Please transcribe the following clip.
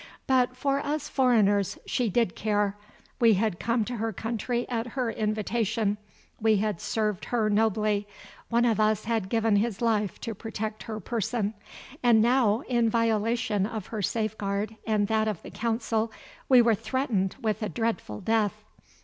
But for us foreigners she did care. We had come to her country at her invitation, we had served her nobly, one of us had given his life to protect her person, and now, in violation of her safeguard and that of the Council, we were threatened with a dreadful death.